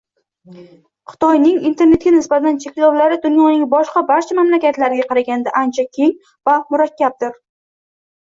Xitoyning internetga nisbatan cheklovlari dunyoning boshqa barcha mamlakatlariga qaraganda ancha keng va murakkabdir.